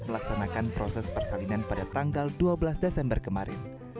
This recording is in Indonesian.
melaksanakan proses persalinan pada tanggal dua belas desember kemarin